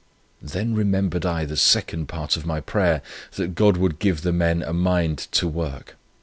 Then remembered I the second part of my prayer, that God would give the men 'a mind to work.'